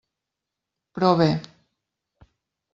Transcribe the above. Però bé.